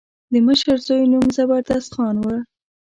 د مشر زوی نوم زبردست خان و.